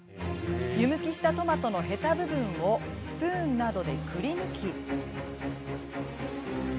湯むきしたトマトのヘタ部分をスプーンなどで、くりぬき